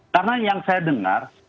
karena yang saya dengar